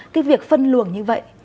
cái việc phân luồng như vậy